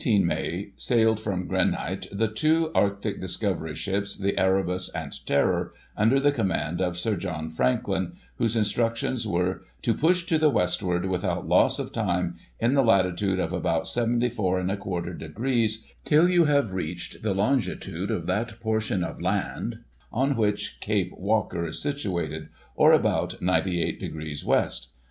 265 On 18 May sailed from Greenhithe the two Arctic discovery ships, the Erebus and Terror, under the command of Sir John Franklin, whose instructions were " to push to the westward, without loss of time, in the latitude of about 74 J^ degrees, till you have reached the longitude of that portion of land on which Cape Walker is situated, or about 98 degrees west.